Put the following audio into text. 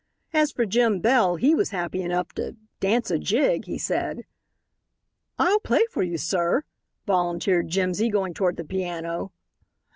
As for Jim Bell, he was happy enough to "dance a jig," he said. "I'll play for you, sir," volunteered Jimsy, going toward the piano.